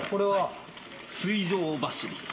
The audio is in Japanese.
水上走り。